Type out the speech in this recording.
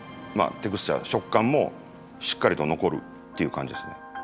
テクスチャー食感もしっかりと残るっていう感じですね。